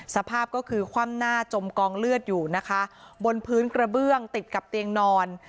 สภาพก็คือคว่ำหน้าจมกองเลือดอยู่นะคะบนพื้นกระเบื้องติดกับเตียงนอน